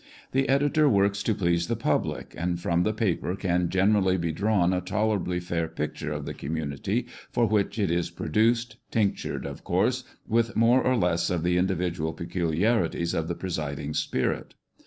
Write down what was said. The editor works to please the public, and from the paper can generally be drawn a tolerably fair picture of the community for which it is produced, tinctured, of course, with more or less of the individual peculiarities ol the presiding spirit.